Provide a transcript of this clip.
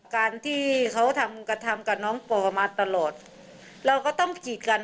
การที่เขาทำกระทำกับน้องปอมาตลอดเราก็ต้องกีดกัน